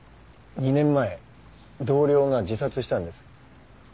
２年前同僚が自殺したんです。